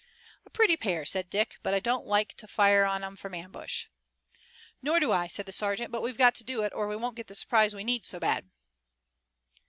"A pretty pair," said Dick, "but I don't like to fire on 'em from ambush." "Nor do I," said the sergeant, "but we've got to do it, or we won't get the surprise we need so bad."